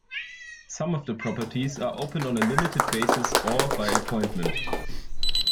Some of the properties are open on a limited basis or by appointment.